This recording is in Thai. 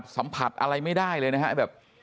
สัมผัสอะไรไม่ได้เลยนะฮะแบบ